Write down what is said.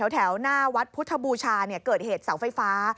แถวหน้าวัดพุทธบูชาเกิดเหตุเสาไฟฟ้า